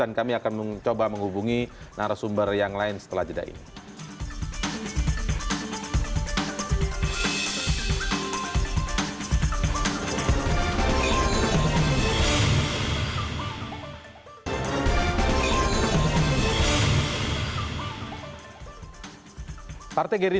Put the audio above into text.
dan kami akan mencoba menghubungi narasumber yang lain setelah jeda ini